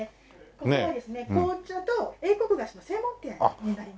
ここはですね紅茶と英国菓子の専門店になります。